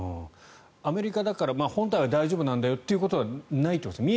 アメリカだから本体は大丈夫なんだよっていうことではないということですか。